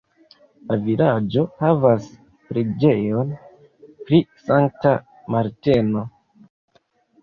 La vilaĝo havas preĝejon pri Sankta Marteno.